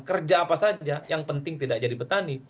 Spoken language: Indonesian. kerja apa saja yang penting tidak jadi petani